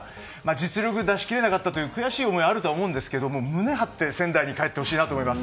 実力を出し切れなかったという悔しい思いはあると思いますけど胸張って仙台に帰ってほしいなと思います。